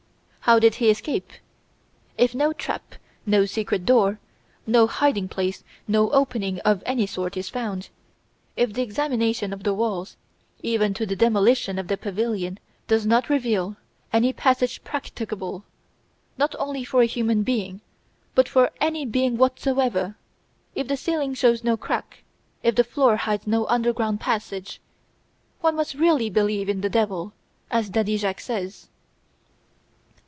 How did he escape? If no trap, no secret door, no hiding place, no opening of any sort is found; if the examination of the walls even to the demolition of the pavilion does not reveal any passage practicable not only for a human being, but for any being whatsoever if the ceiling shows no crack, if the floor hides no underground passage, one must really believe in the Devil, as Daddy Jacques says!